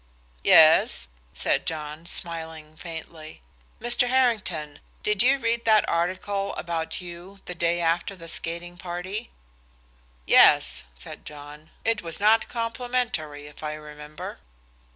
"Yes?" said John, smiling faintly. "Mr. Harrington did you read that article about you, the day after the skating party?" "Yes," said John. "It was not complimentary, if I remember."